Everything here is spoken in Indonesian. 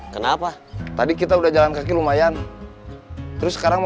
kenapa tadi kita udah jalan kaki lumayan terus sekarang